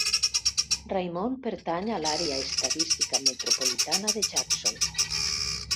Raymond pertany a l'àrea estadística metropolitana de Jackson.